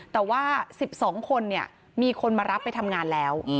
แต่ว่า๑๒คนมีคนมารับไปทำงานแล้ว